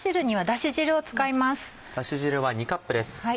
だし汁は２カップです。